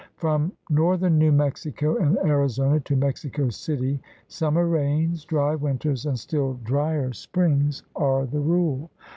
From northern New Mexico and Arizona to Mexico City summer rains, dry winters, and still drier springs, are the rule.